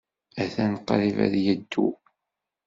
Atan qrib ad yeddu.